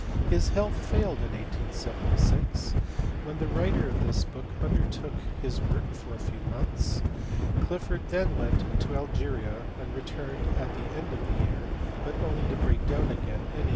His health failed in 1876, when the writer of this book undertook his work for a few months ; Clifford then went to Algeria and returned at the end of the year, but only to break down again in 1878.